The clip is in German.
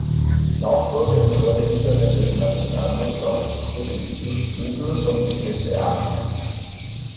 Nachfolger im Tor der niederländischen Nationalmannschaft wurde Just Göbel von Vitesse Arnheim.